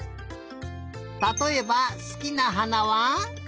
たとえばすきなはなは？